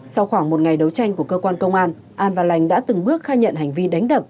sau khoảng một ngày đấu tranh của cơ quan công an an và lành đã từng bước khai nhận hành vi đánh đập